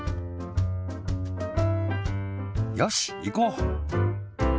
よしいこう！